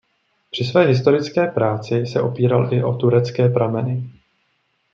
Při své historické práci se opíral i o turecké prameny.